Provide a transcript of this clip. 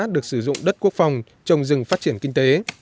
được sử dụng đất quốc phòng trồng rừng phát triển kinh tế